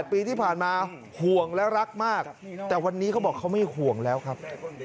ปีที่ผ่านมาห่วงและรักมากแต่วันนี้เขาบอกเขาไม่ห่วงแล้วครับ